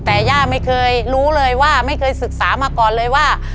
แต่ย่าไม่เคยรู้เลยว่าไม่เคยศึกษามาก่อนเลยว่า